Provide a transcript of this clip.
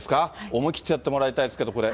思い切ってやってもらいたいです